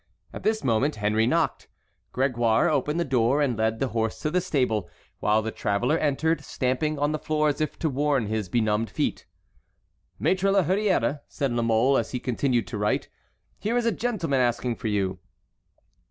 At this moment Henry knocked. Grégoire opened the door and led the horse to the stable, while the traveller entered, stamping on the floor as if to warm his benumbed feet. "Maître La Hurière," said La Mole, as he continued to write, "here is a gentleman asking for you."